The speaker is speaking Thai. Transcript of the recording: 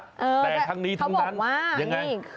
แต่ทั้งนี้ทั้งนั้น